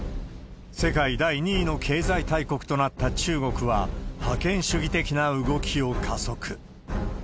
世界第２位の経済大国となった中国は、覇権主義的な動きを加速。